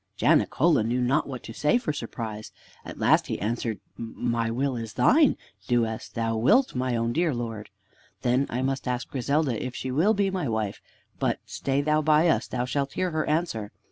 Janicola knew not what to say for surprise. At last he answered, "My will is thine! Do as thou wilt, my own dear Lord!" "Then must I ask Griselda if she will be my wife; but stay thou by us. Thou shalt hear her answer."